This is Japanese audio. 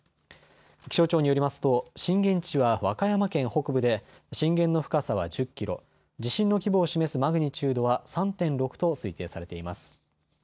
気象庁によりますと震源地は和歌山県北部で震源の深さは１０キロ、地震の規模を示すマグニチュードは３．６と推定されています。